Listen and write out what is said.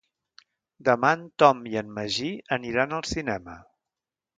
Demà en Tom i en Magí aniran al cinema.